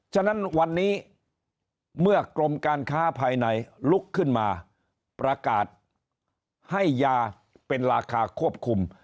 ฉะนั้นวันนี้เมื่อกรมการค้าภายในลุกขึ้นมาประกาศให้ยาเป็นราคาควบคุม